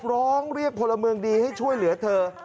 ร้องเรียกพลเมืองดีให้ช่วยเหลือเธอ